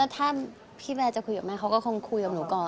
ถ้าพี่แวร์จะคุยกับแม่เขาก็คงคุยกับหนูก่อน